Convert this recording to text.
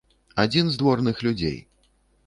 Адзін з дворных людзей.